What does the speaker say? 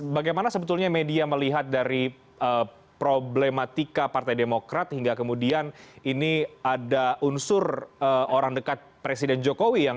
bagaimana sebetulnya media melihat dari problematika partai demokrat hingga kemudian ini ada unsur orang dekat presiden jokowi